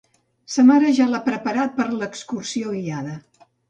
Sa mare ja l'ha preparat per a l'excursió guiada.